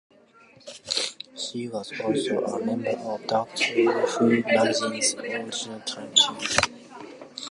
She was also a member of Doctor Who Magazine's original Time Team.